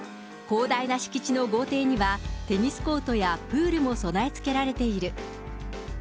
広大な敷地の豪邸には、テニスコートやプールも備え付けられている。